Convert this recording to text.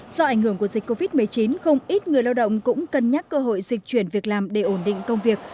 do ảnh hưởng của dịch covid một mươi chín không ít người lao động cũng cân nhắc cơ hội dịch chuyển việc làm để ổn định công việc